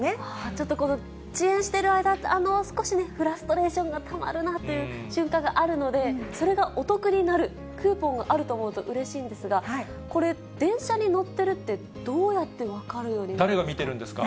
ちょっと遅延している間、少しフラストレーションがたまるなという瞬間があるので、それがお得になる、クーポンがあると思うとうれしいんですが、これ、電車に乗ってるって、誰が見てるんですか。